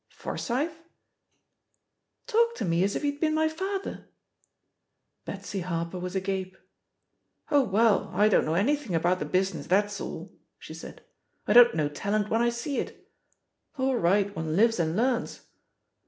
"Forsyth?" "Talked to me as if he'd been my father 1" Betsy Harper was agape. "Oh, well, I don't know anything about the business, that's all/' she said ; "I don't know talent when I see it 1 All right, one lives and learns."